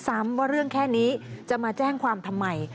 ว่าเรื่องแค่นี้จะมาแจ้งความทำใหม่